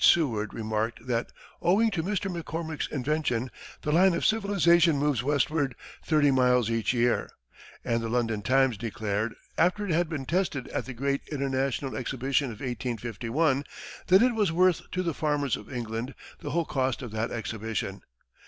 Seward remarked that, "owing to Mr. McCormick's invention, the line of civilization moves westward thirty miles each year"; and the London Times declared, after it had been tested at the great international exhibition of 1851, that it was "worth to the farmers of England the whole cost of that exhibition."